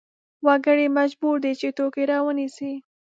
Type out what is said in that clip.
وګړي مجبور دي چې توکې راونیسي.